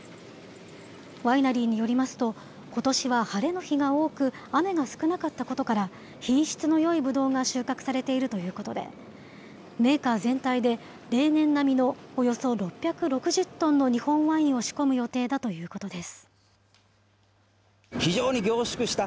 ワイナリーによりますと、ことしは晴れの日が多く、雨が少なかったことから、品質のよいぶどうが収穫されているということで、メーカー全体で例年並みのおよそ６６０トンの日本ワインを仕込む予定だということです。